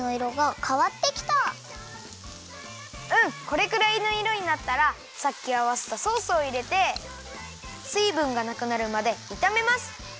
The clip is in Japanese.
これくらいのいろになったらさっきあわせたソースをいれてすいぶんがなくなるまでいためます。